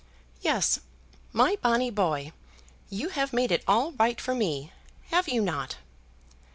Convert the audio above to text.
"Yes, my bonny boy, you have made it all right for me; have you not?"